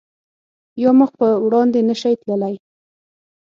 یا مخ په وړاندې نه شی تللی